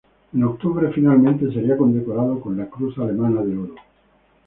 En octubre, finalmente, sería condecorado con la Cruz Alemana de Oro.